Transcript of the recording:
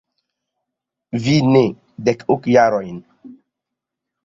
Vi ne dek ok jarojn.